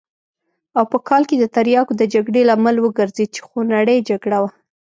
او په کال کې د تریاکو د جګړې لامل وګرځېد چې خونړۍ جګړه وه.